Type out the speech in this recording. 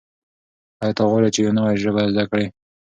آیا ته غواړې چې یو نوی ژبه زده کړې؟